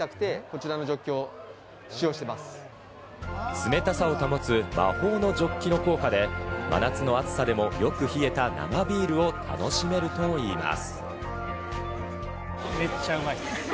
冷たさを保つ魔法のジョッキの効果で、真夏の暑さでもよく冷えた生ビールを楽しめるといいます。